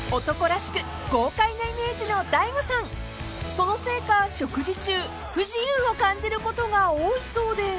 ［そのせいか食事中不自由を感じることが多いそうで］